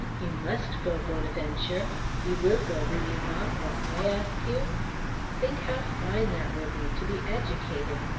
"You must go, Bonaventure. You will go, will you not when I ask you? Think how fine that will be to be educated!